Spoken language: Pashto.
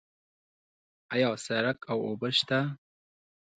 آیا سړک او اوبه شته؟